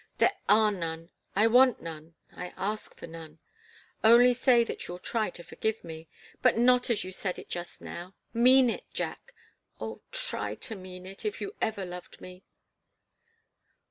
There are none I want none I ask for none. Only say that you'll try to forgive me but not as you said it just now. Mean it, Jack! Oh, try to mean it, if you ever loved me!"